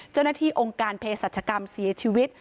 เจ้าหน้าที่องค์การเพศรัชกรรมเสียชีวิต